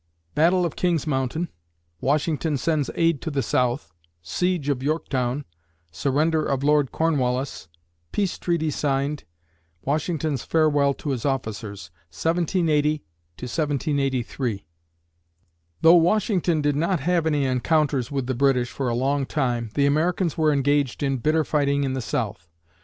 BATTLE OF KING'S MOUNTAIN WASHINGTON SENDS AID TO THE SOUTH SIEGE OF YORKTOWN SURRENDER OF LORD CORNWALLIS PEACE TREATY SIGNED WASHINGTON'S FAREWELL TO HIS OFFICERS 1780 1783 Though Washington did not have any encounters with the British for a long time, the Americans were engaged in bitter fighting in the South.